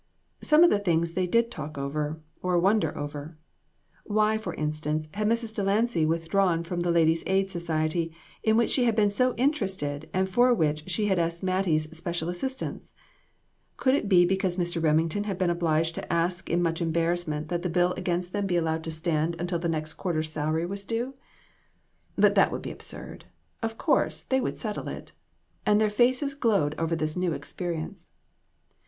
Some of the things they did talk over, or wonder over. Why, for instance, had Mrs. Delancy withdrawn from the Ladies' Aid Society, in which she had been so interested and for which she had asked Mattie's special assistance ? Could it be because Mr. Remington had been obliged to ask in much embarrassment that the bill against 284 INTRICACIES. them be allowed to stand until the next quarter's salary was due ? But that would be absurd ; of course, they would settle it ! And their faces glowed over this new experience.